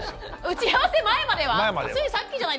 打ち合わせ前までは⁉前までは。